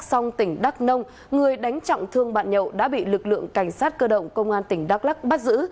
song tỉnh đắk nông người đánh trọng thương bạn nhậu đã bị lực lượng cảnh sát cơ động công an tỉnh đắk lắc bắt giữ